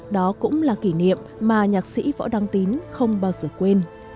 đó cũng là kỷ niệm mà nhạc sĩ võ đăng tín không bao giờ quên